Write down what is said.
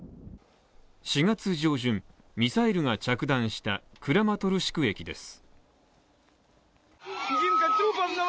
４月上旬、ミサイルが着弾したクラマトルシク駅です。